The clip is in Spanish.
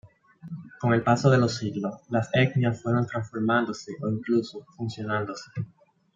Con el paso de los siglos las etnias fueron transformándose o incluso fusionándose.